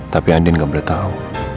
tapi andin gak boleh tahu